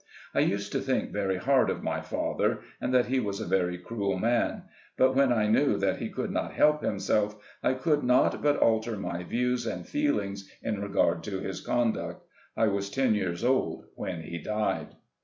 I used to think very hard of my father, and that he was a very cruel man ; but when I knew that he could not help himself, I could not but alter my views and feelings in regard to his conduct. I was ten years old when he died.